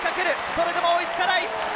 それでも追いつけない！